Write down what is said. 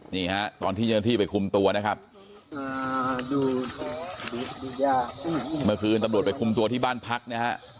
นี่ฮะตอนที่เจ้าหน้าที่ไปคุมตัวนะครับเมื่อคืนตำรวจไปคุมตัวที่บ้านพักนะฮะ